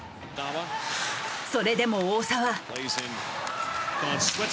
それでも大澤。